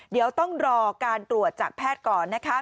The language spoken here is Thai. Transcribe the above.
เดี๋ยวต้องรอการตรวจจากแพทย์ก่อนนะคะ